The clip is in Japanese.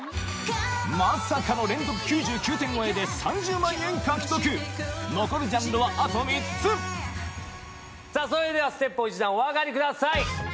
まさかの連続９９点超えで３０万円獲得残るジャンルはあと３つそれではステップを１段お上がりください。